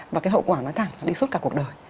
và cái hậu quả nó thẳng đi suốt cả cuộc đời